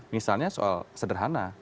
misalnya soal sederhana